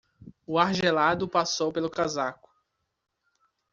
O ar gelado passou pelo casaco.